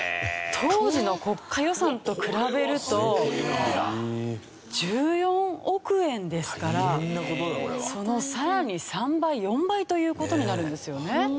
当時の国家予算と比べると１４億円ですからその更に３倍４倍という事になるんですよね。